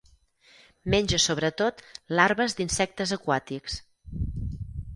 Menja sobretot larves d'insectes aquàtics.